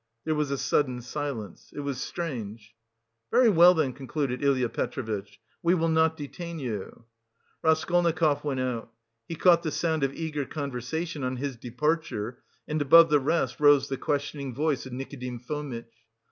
There was a sudden silence. It was strange. "Very well, then," concluded Ilya Petrovitch, "we will not detain you." Raskolnikov went out. He caught the sound of eager conversation on his departure, and above the rest rose the questioning voice of Nikodim Fomitch.